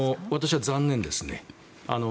私は残念です。